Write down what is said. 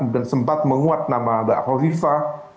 dan sempat menguat nama mbak hovifah